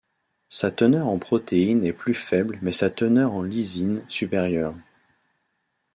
Sa teneur en protéines est plus faible mais sa teneur en lysine supérieure.